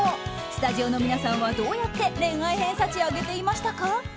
スタジオの皆さんはどうやって恋愛偏差値、上げていましたか？